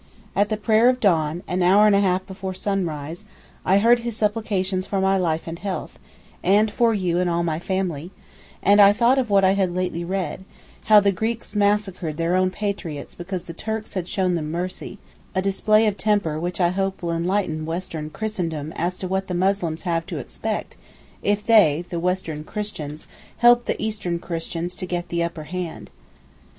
At the prayer of dawn, an hour and a half before sunrise, I heard his supplications for my life and health, and for you and all my family; and I thought of what I had lately read, how the Greeks massacred their own patriots because the Turks had shown them mercy—a display of temper which I hope will enlighten Western Christendom as to what the Muslims have to expect, if they (the Western Christians) help the Eastern Christians to get the upper hand.